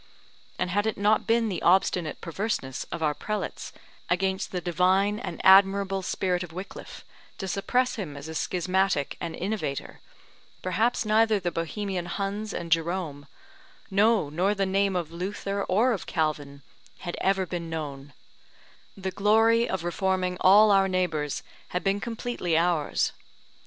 And had it not been the obstinate perverseness of our prelates against the divine and admirable spirit of Wickliff, to suppress him as a schismatic and innovator, perhaps neither the Bohemian Huns and Jerome, no nor the name of Luther or of Calvin, had been ever known: the glory of reforming all our neighbours had been completely ours.